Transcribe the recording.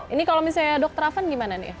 ini kalau misalnya dr afan gimana nih